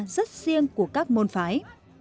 rất riêng của các môn phái